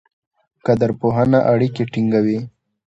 قدرپوهنه اړیکې ټینګوي.